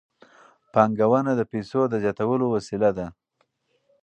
پانګونه د پیسو د زیاتولو وسیله ده.